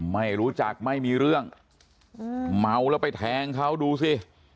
ไม่รู้จักไม่มีเรื่องเมาแล้วไปแทงเขาดูสิ